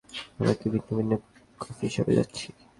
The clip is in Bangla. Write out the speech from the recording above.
আমরা কি ভিন্ন ভিন্ন কফিশপে যাচ্ছি?